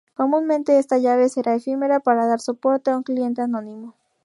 Comúnmente, esta llave será efímera, para dar soporte a un cliente anónimo.